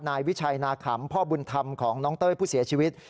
นายวิชัยนาขำพ่อบุญธรรมของน้องเต้ยผู้เสียชีวิต